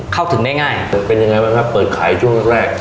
เข้าถึงง่ายเป็นยังไงบ้างครับเปิดขายช่วงแรก